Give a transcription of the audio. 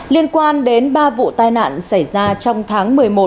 liên quan đến ba vụ tai nạn xảy ra trong tháng một mươi một